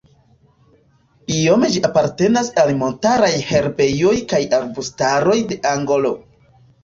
Biome ĝi apartenas al montaraj herbejoj kaj arbustaroj de Angolo.